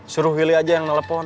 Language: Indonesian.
suruh willy aja yang nelfon